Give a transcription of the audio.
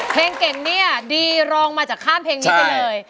เพลงเก่งเนี่ยดีรองมาจากข้ามเพลงนี้ไปเลย